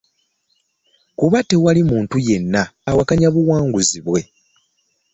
Kuba tewali muntu yenna awakanya buwanguzi bwe.